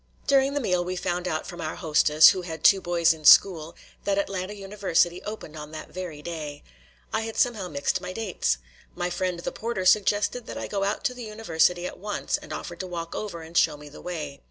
During the meal we found out from our hostess, who had two boys in school, that Atlanta University opened on that very day. I had somehow mixed my dates. My friend the porter suggested that I go out to the University at once and offered to walk over and show me the way.